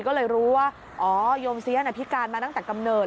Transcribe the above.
ก็เลยรู้ว่าอ๋อโยมเสียพิการมาตั้งแต่กำเนิด